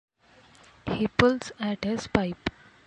He pulls at his pipe.